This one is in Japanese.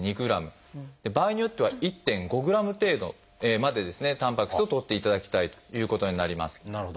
場合によっては１．５ｇ程度までたんぱく質をとっていただきたいということになります。